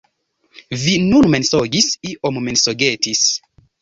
Vi nun mensogis, iom mensogetis.